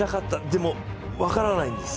でも分からないんです。